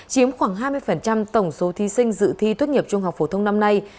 chiếm khoảng hai mươi tổng số thí sinh dự thi tốt nghiệp trung học phổ thông năm nay